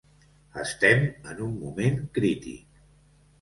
Estem en un moment crític.